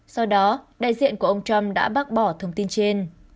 sau đó đại diện của ông trump đã bác bỏ thông tin trên